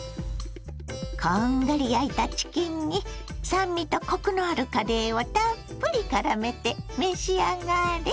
こんがり焼いたチキンに酸味とコクのあるカレーをたっぷりからめて召し上がれ。